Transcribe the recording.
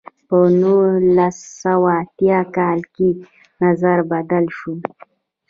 په نولس سوه اتیا کال کې نظر بدل شو.